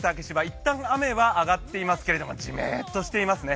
いったん雨はあがっていますけどじめっとしていますね。